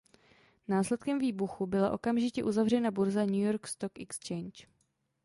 Následkem výbuchu byla okamžitě uzavřena burza New York Stock Exchange.